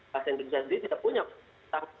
bahasa indonesia sendiri tidak punya